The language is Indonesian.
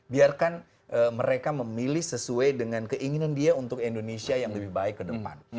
biarkan mereka memilih sesuai dengan keinginan dia untuk indonesia yang lebih baik ke depan